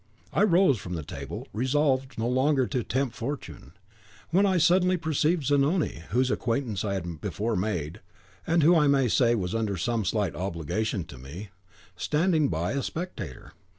I rose from the table, resolved no longer to tempt fortune, when I suddenly perceived Zanoni, whose acquaintance I had before made (and who, I may say, was under some slight obligation to me), standing by, a spectator.